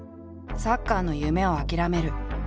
サッカーの夢を諦める。